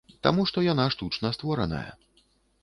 Таму што яна штучна створаная.